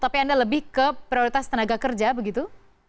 tapi anda lebih ke prioritas tenaga kerja begitu